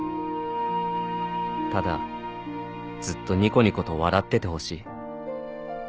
ただずっとニコニコと笑っててほしい